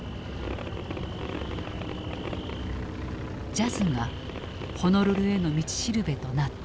ジャズがホノルルへの道しるべとなった。